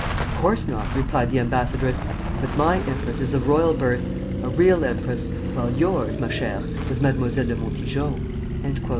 "Of course not," replied the ambassadress; "but my empress is of royal birth. a real empress; while yours, ma chère, was Mademoiselle de Montijo!"